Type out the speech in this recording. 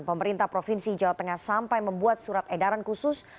pemerintah provinsi jawa tengah sampai membuat surat edaran khusus